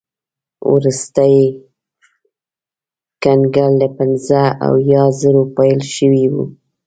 وروستی کنګل له پنځه اویا زرو پیل شوی و.